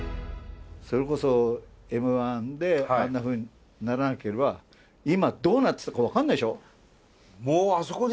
それこそＭ−１であんなふうにならなければ今どうなってたか分かんないでしょ？